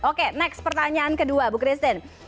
oke next pertanyaan kedua bu christine